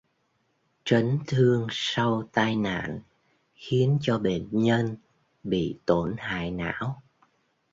Trấn thương sau tai nạn khiến cho bệnh nhân bị tổn hại não